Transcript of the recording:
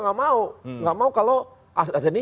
nggak mau nggak mau kalau aset aset ini